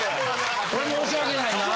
それ申し訳ないな。